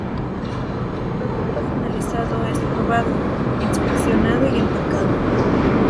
El producto finalizado es probado, inspeccionado y empacado.